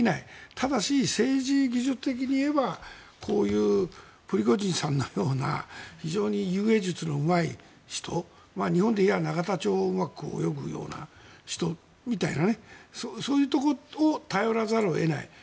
ただし、政治技術的に言えばこういうプリゴジンさんのような非常に遊泳術のうまい人日本でいえば、永田町をうまく泳ぐような人みたいなそういうところを頼らざるを得ない。